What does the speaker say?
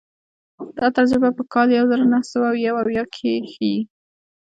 دا تجربه په کال یو زر نهه سوه یو اویا کې ښيي.